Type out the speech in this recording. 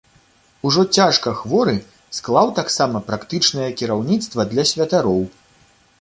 Ужо цяжка хворы, склаў таксама практычнае кіраўніцтва для святароў.